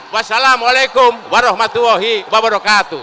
wassalamualaikum warahmatullahi wabarakatuh